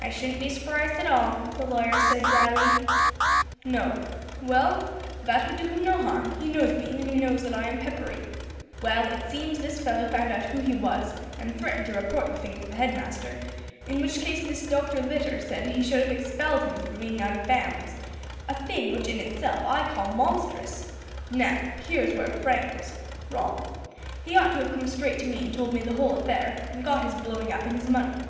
"I shouldn't be surprised at all," the lawyer said drily. "No. Well that would do him no harm; he knows me, and he knows that I am peppery. Well, it seems this fellow found out who he was, and threatened to report the thing to the head master, in which case this Dr. Litter said he should have expelled him for being out of bounds, a thing which in itself I call monstrous. Now, here is where Frank was wrong. He ought to have come straight to me and told me the whole affair, and got his blowing up and his money.